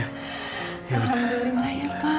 alhamdulillah ya pa